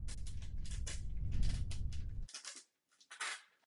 Napsal četné knihy z těchto oborů.